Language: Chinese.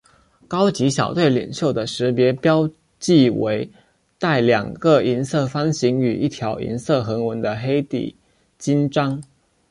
高级小队领袖的识别标记为带两个银色方形与一条银色横纹的黑底襟章。